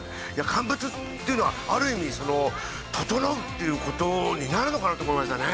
乾物っていうのはある意味その整うっていうことになるのかなと思いましたね。